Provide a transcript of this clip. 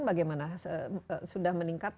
bagaimana sudah meningkat